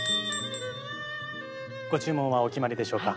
ご注文はお決まりでしょうか？